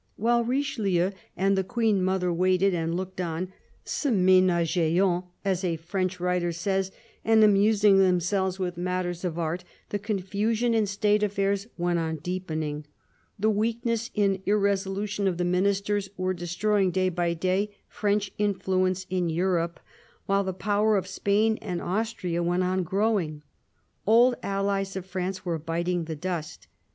While Richelieu and the Queen mother waited and looked on, se menageant, as a French writer says, and amusing themselves with matters of art, the confusion in State affairs went on deepening. The weakness and irresolution of the Ministers were destroying, day by day, French influence in Europe, while the power of Spain and Austria went on growing. Old allies of France were biting the dust.